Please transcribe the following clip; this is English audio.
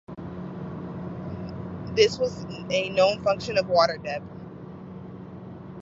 This was a known function of water depth.